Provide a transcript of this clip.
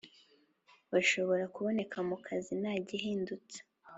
bashobora kuboneka mu kazi ntagihindutse